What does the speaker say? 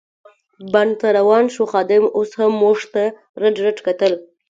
بڼ ته روان شوو، خادم اوس هم موږ ته رډ رډ کتل.